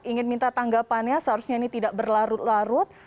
ingin minta tanggapannya seharusnya ini tidak berlarut larut